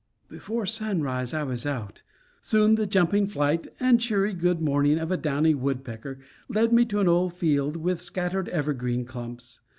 Before sunrise I was out. Soon the jumping flight and cheery good morning of a downy woodpecker led me to an old field with scattered evergreen clumps.